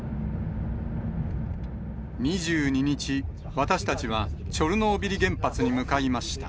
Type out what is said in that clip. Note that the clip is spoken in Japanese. ２２日、私たちはチョルノービリ原発に向かいました。